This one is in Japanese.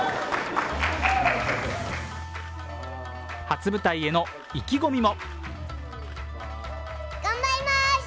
初舞台への意気込みも。